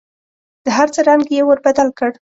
د هر څه رنګ یې ور بدل کړ .